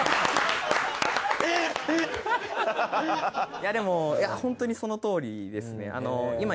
いやでもホントにそのとおりですね。